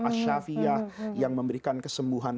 al shafi'ah yang memberikan kesembuhan